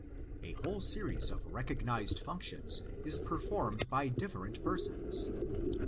A whole series of recognised func tions is performed by different persons (xii.